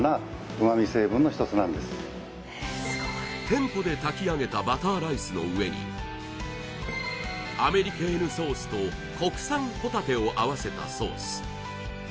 店舗で炊き上げたバターライスの上にアメリケーヌソースと国産ホタテを合わせたソース